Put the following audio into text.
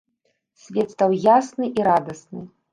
Свет стаў ясны і радасны.